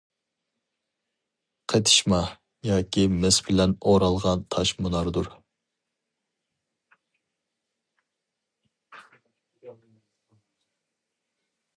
قېتىشما ياكى مىس بىلەن ئورالغان تاش مۇناردۇر.